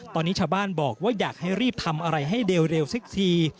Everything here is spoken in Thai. ตอนนี้ชาวบ้านบอกว่าอยากให้รีบทำอะไรให้เร็วสักที